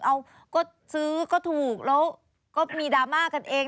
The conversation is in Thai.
เอาก็ซื้อก็ถูกแล้วก็มีดราม่ากันเอง